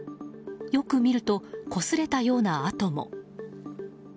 よく見ると、こすれたような跡も。